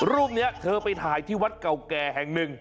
รูปนี้เธอไปถ่ายที่วัดเก่าแก่แห่งหนึ่ง